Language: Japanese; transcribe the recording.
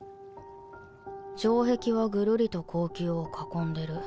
城壁はぐるりと後宮を囲んでる。